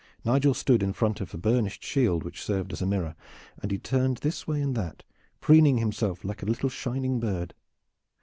Nigel stood in front of a burnished shield which served as a mirror, and he turned this way and that, preening himself like a little shining bird.